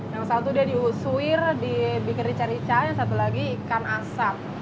yang satu dia diusir dibikin rica rica yang satu lagi ikan asap